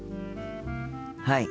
はい。